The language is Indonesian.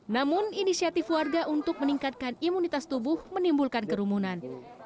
namun inisiatif warga untuk meningkatkan imunitas tubuh menimbulkan kerumunan